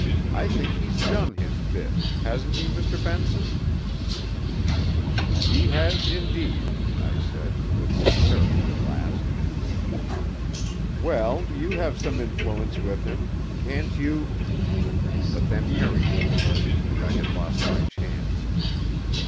I think he's done his bit ... hasn't he, Mr. Benson?' 'He has, indeed,' I said, with sincerity at last. 'Well, you have some influence with him. Can't you ' But then Harry came in, and I had lost my chance.